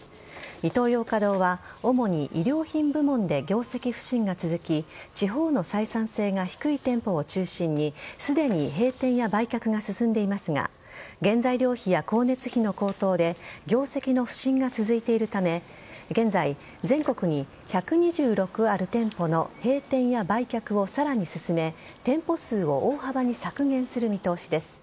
イトーヨーカ堂は主に衣料品部門で業績不振が続き地方の採算性が低い店舗を中心にすでに閉店や売却が進んでいますが原材料費や光熱費の高騰で業績の不振が続いているため現在、全国に１２６ある店舗の閉店や売却をさらに進め店舗数を大幅に削減する見通しです。